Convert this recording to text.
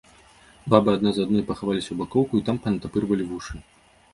Бабы адна за адной пахаваліся ў бакоўку і там панатапырвалі вушы.